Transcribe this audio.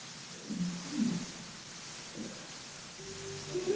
何でってえ？